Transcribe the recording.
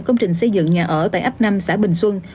công trình xây dựng nhà ở tại ấp năm xã bình xuân